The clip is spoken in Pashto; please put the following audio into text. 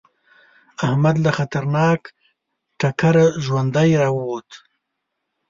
احمد له خطرناک ټکره ژوندی راووته.